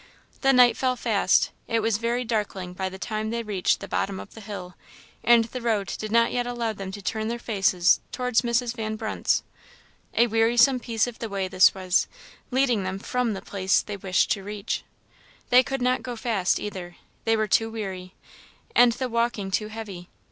The night fell fast; it was very darkling by the time they reached the bottom of the hill, and the road did not yet allow them to turn their faces towards Mrs. Van Brunt's. A wearisome piece of the way this was, leading them from the place they wished to reach. They could not go fast, either; they were too weary, and the walking too heavy.